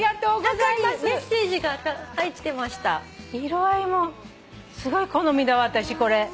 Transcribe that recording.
色合いもすごい好みだわ私。